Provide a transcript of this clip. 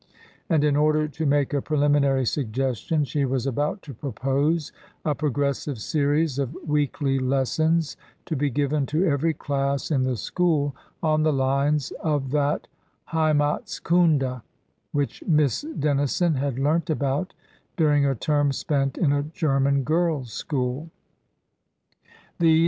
And in order to make a preliminary suggestion, she was about to propose a progressive series of weekly lessons to be given to every class in the school on the lines of that " HeimatsKunde" which Miss Dennison had learnt about during a term spent in a German girls' school ; these 92 TRANSITION.